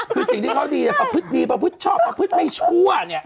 คือสิ่งที่เขาดีประพฤติดีประพฤติชอบประพฤติไม่ชั่วเนี่ย